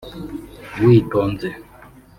witonze